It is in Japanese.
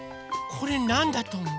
これなんだとおもう？